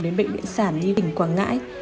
đến bệnh viện sản nhi quảng ngãi